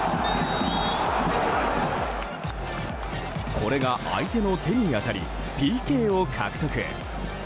これが相手の手に当たりＰＫを獲得。